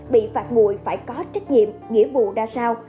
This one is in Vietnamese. bị phạt nguội phải có trách nhiệm nghĩa vụ ra sao